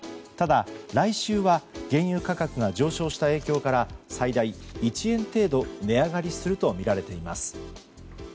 ただ、来週は原油価格が上昇した影響から最大１円程度値上がりするとみられています。